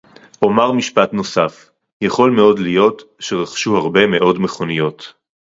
אומר משפט נוסף: יכול מאוד להיות שרכשו הרבה מאוד מכוניות